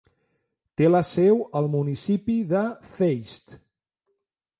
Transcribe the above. Té la seu al municipi de Zeist.